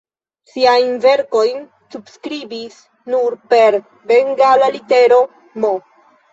Siajn verkojn subskribis nur per bengala litero "M".